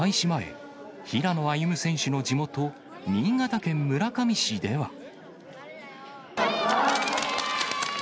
前、平野歩夢選手の地元、新潟県村上市では。